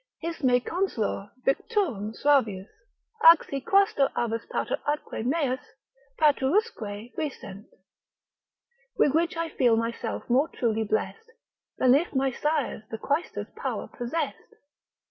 His me consolor victurum suavius, ac si Quaestor avus pater atque meus, patruusque fuissent. With which I feel myself more truly blest Than if my sires the quaestor's power possess'd.